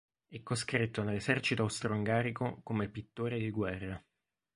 È coscritto nell'esercito austro-ungarico come pittore di guerra.